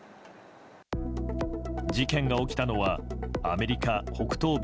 事件が起きたのはアメリカ北東部